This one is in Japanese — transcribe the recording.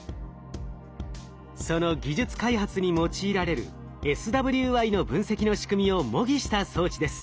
その技術開発に用いられるＳＷＩの分析の仕組みを模擬した装置です。